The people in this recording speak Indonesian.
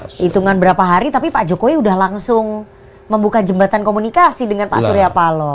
hitungan berapa hari tapi pak jokowi sudah langsung membuka jembatan komunikasi dengan pak surya paloh